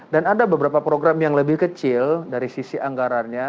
dan ada beberapa program yang lebih kecil dari sisi anggarannya